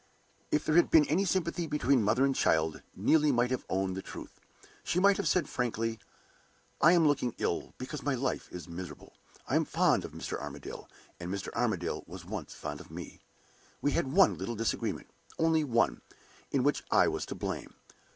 If there had been any sympathy between mother and child, Neelie might have owned the truth. She might have said frankly: "I am looking ill, because my life is miserable to me. I am fond of Mr. Armadale, and Mr. Armadale was once fond of me. We had one little disagreement, only one, in which I was to blame.